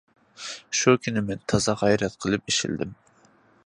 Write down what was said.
شۇ كۈنى مەن تازا غەيرەت قىلىپ ئىشلىدىم.